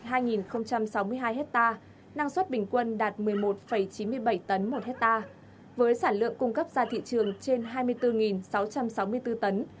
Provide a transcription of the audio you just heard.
hai trăm sáu mươi hai hectare năng suất bình quân đạt một mươi một chín mươi bảy tấn một hectare với sản lượng cung cấp ra thị trường trên hai mươi bốn sáu trăm sáu mươi bốn tấn